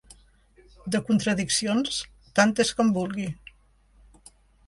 De contradiccions, tantes com vulgui.